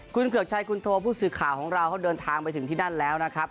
คุณเกือกชัยคุณโทผู้สื่อข่าวของเราเขาเดินทางไปถึงที่นั่นแล้วนะครับ